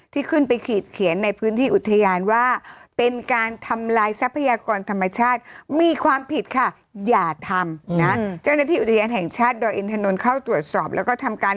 ที่ขึ้นไปขีดเขียนในพื้นที่อุตยานว่า